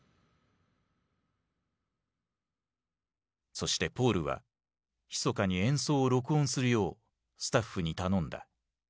そしてポールはひそかに演奏を録音するようスタッフに頼んだ。